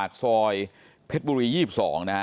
นั่นแหละครับคนที่ก่อเหตุเนี่ยคือสามีของผู้ชมครับ